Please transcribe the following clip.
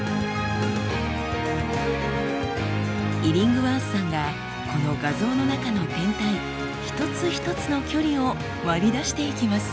イリングワースさんがこの画像の中の天体一つ一つの距離を割り出していきます。